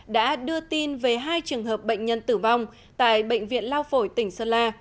đã đưa tin về hai trường hợp bệnh nhân tử vong tại bệnh viện lao phổi tỉnh sơn la